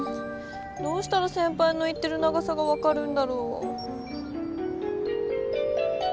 どうしたらせんぱいの言ってる長さがわかるんだろう。